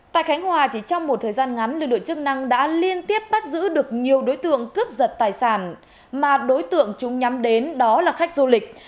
tại khánh hòa chỉ trong một thời gian ngắn lực lượng chức năng đã liên tiếp bắt giữ được nhiều đối tượng cướp giật tài sản mà đối tượng chúng nhắm đến đó là khách du lịch